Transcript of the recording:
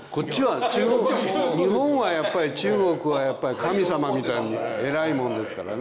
日本はやっぱり中国は神様みたいに偉いもんですからね。